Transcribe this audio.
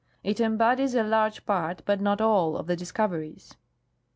It em bodies a large part, but not all, of the discoveries.